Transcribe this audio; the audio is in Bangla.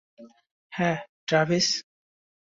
হ্যাঁ, ট্র্যাভিস।